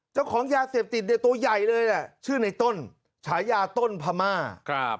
เจ้าของยาเสพติดเนี่ยตัวใหญ่เลยแหละชื่อในต้นฉายาต้นพม่าครับ